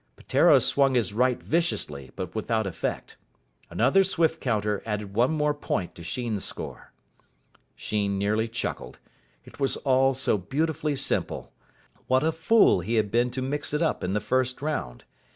Peteiro swung his right viciously, but without effect. Another swift counter added one more point to Sheen's score. Sheen nearly chuckled. It was all so beautifully simple. What a fool he had been to mix it up in the first round.